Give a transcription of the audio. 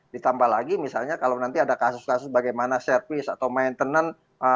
ditambah lagi misalnya kalau nanti ada kasus kasus bagaimana servis atau maintenance